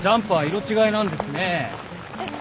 えっ？